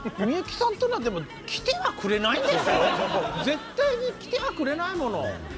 絶対に来てはくれないもの。